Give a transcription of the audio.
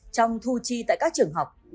trong thu chi tại các trường học